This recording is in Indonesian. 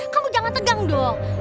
kamu jangan tegang dong